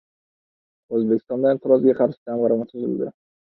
O‘zbekistonda Inqirozga qarshi jamg‘arma tuzildi